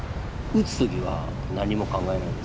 撃つ時は何も考えないです。